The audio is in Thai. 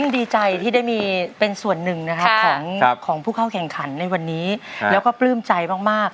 ดีใจที่ได้มีเป็นส่วนหนึ่งนะครับของผู้เข้าแข่งขันในวันนี้แล้วก็ปลื้มใจมาก